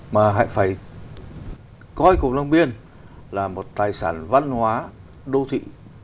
mà hãy phải coi cổ long biên là một tài sản văn hóa đô thị